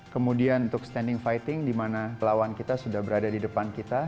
kemudian untuk standing fighting di mana lawan kita sudah berada di depan kita